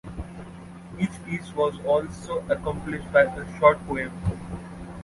Each piece was also accompanied by a short poem.